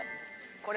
これ。